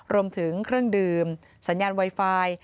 รวมถึงเครื่องดื่มสัญญาณไวไฟ